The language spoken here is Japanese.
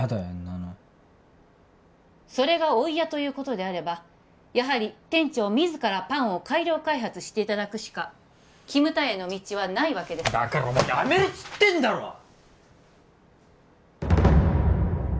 そんなのそれがお嫌ということであればやはり店長自らパンを改良開発していただくしかキムタヤの道はないわけでだからもうやめるっつってんだろ！